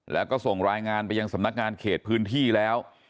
แล้วก็ส่งรายงานไปยังสำนักงานเขตพื้นที่แล้ว